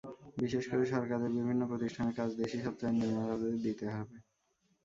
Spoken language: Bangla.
বিশেষ করে সরকারের বিভিন্ন প্রতিষ্ঠানের কাজ দেশি সফটওয়্যার নির্মাতাদের দিতে হবে।